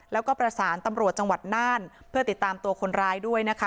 แล้วก็ประสานตำรวจจังหวัดน่านเพื่อติดตามตัวคนร้ายด้วยนะคะ